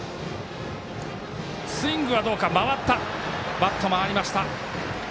バット回りました。